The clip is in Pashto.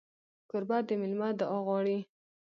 کوربه د مېلمه دعا غواړي.